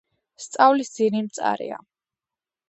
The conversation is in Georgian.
სწავლის ძირი მწარეა